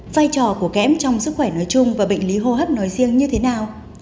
vai trò của kẽm trong sức khỏe nói chung và bệnh lý hô hấp nói riêng như thế nào